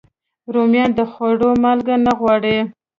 رومیان د خوړو مالګه نه غواړي